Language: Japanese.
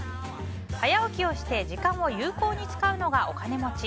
早起きをして時間を有効に使うのがお金持ち。